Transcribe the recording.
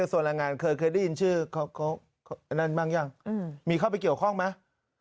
กระทรวงแรงงานเคยได้ยินชื่อมีเข้าไปเกี่ยวข้องไหม